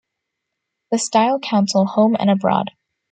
The Style Council, Home and Abroad.